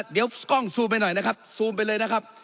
เดี๋ยวกล้องซูมไปหน่อยนะครับซูมไปเลยนะครับ